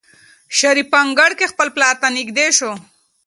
شریف په انګړ کې خپل پلار ته نږدې شو.